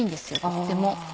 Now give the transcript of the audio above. とっても。